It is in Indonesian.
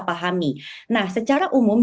pahami nah secara umum